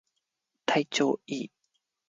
体調いい